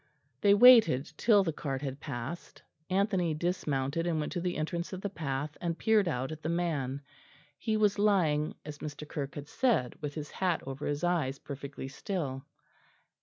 They waited till the cart had passed. Anthony dismounted and went to the entrance of the path and peered out at the man; he was lying, as Mr. Kirke had said, with his hat over his eyes, perfectly still.